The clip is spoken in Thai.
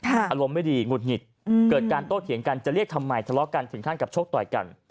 อารมณ์ไม่ดีหงุดหงิดเกิดการโต้เถียงกันจะเรียกทำไมทะเลาะกันถึงขั้นกับชกต่อยกัน